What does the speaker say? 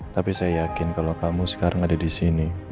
tapi saya yakin kalau kamu sekarang ada disini